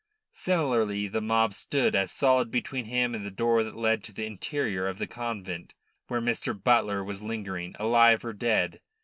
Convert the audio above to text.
Similarly the mob stood as solid between him and the door that led to the interior of the convent, where Mr. Butler was lingering alive or dead.